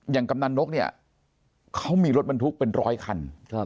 กำนันนกเนี่ยเขามีรถบรรทุกเป็นร้อยคัน